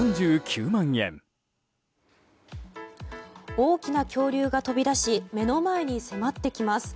大きな恐竜が飛び出し目の前に迫ってきます。